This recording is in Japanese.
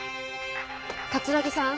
桂木さん